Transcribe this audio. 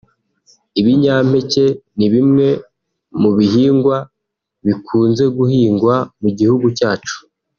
Ibinyampeke ni bimwe mu bihingwa bikunze guhingwa mu gihugu cyacu